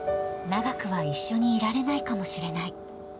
長くは一緒にいられないかもしれない。